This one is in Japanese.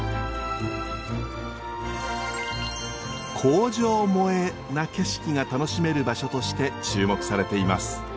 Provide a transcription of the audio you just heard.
「工場萌え」な景色が楽しめる場所として注目されています。